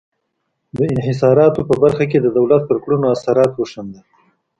د انحصاراتو په برخه کې د دولت پر کړنو اثرات وښندل.